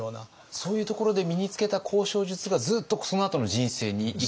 そういうところで身につけた交渉術がずっとそのあとの人生に生きてきた？